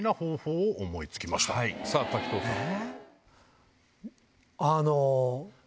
さぁ滝藤さん。